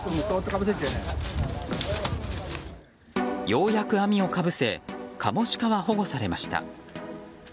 ようやく網をかぶせカモシカは保護されました。